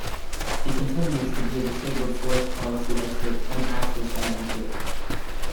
He continues to be a disabled sports policy expert and access advocate.